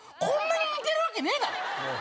こんなに似てるわけねえだろ！